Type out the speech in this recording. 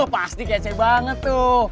pasti kece banget tuh